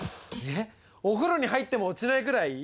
えっお風呂に入っても落ちないぐらい？